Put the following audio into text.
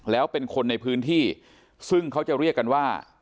แล้วเป็นคนในพื้นที่ซึ่งเขาจะเรียกกันว่า